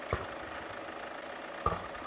মানুষ, ঈশ্বর বা অপর কাহারও উপর দোষারোপ করিও না।